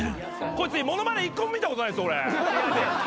こいつ物まね１個も見たことないっす俺。